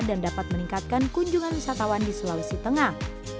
dan dapat meningkatkan kunjungan wisatawan di sulawesi tengah